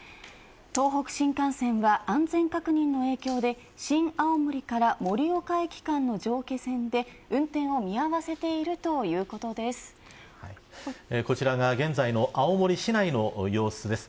東北新幹線は、安全確認の影響で新青森から盛岡駅間の上下線で運転をこちらが現在の青森市内の様子です。